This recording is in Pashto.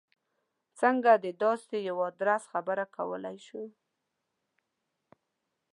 څنګه د داسې یوه ادرس خبره کولای شو.